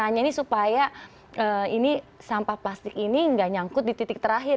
caranya ini supaya sampah plastik ini nggak nyangkut di titik terakhir